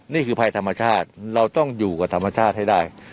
นี่คือภัยธรรมชาติเราต้องอยู่กับธรรมชาติให้ได้